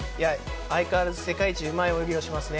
相変わらず世界一うまい泳ぎをしますね。